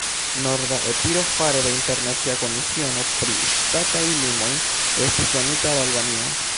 Norda Epiro fare de internacia komisiono pri ŝtataj limoj estis donita al Albanio.